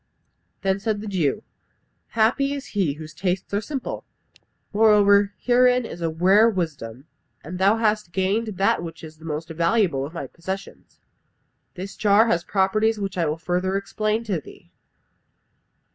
Then said the Jew, "Happy is he whose tastes are simple! Moreover, herein is a rare wisdom, and thou hast gained that which is the most valuable of my possessions. This jar has properties which I will further explain to thee.